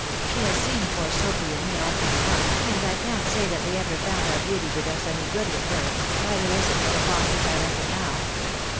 She has seen poor Sophy and me often enough, and I can't say that we ever found our beauty did us any good with her, neither is it that upon which I reckon now.